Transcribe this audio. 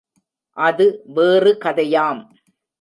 அது வேறு கதையாம்.